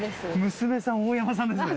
娘さん大山さんですね？